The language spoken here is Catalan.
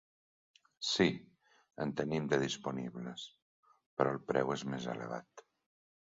Sí, en tenim de disponibles, però el preu és més elevat.